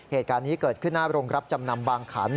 เหตุการณ์นี้เกิดขึ้นหน้าโรงรับจำนำบางขัน